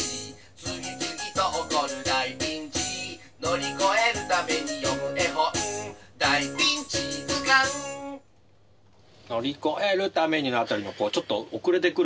「次々と起こる大ピンチ」「乗り越えるために読む絵本」「大ピンチずかん」「乗り越えるために」の辺りのちょっと遅れてくる